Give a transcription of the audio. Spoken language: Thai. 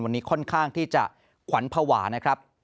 วันนี้ค่อนข้างที่จะขวัญภาวะนะครับ